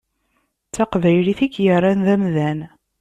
D taqbaylit i k-yerran d amdan.